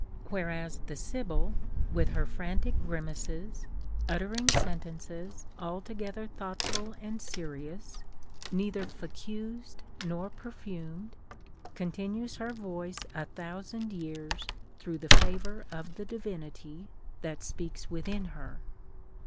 AVhereas the Sibyl, with her frantic grimaces, uttering sen tences altogether thoughtful and serious, neither fucused nor perfumed, continues her voice a thousand years through the favor of the Divinity that speaks within her."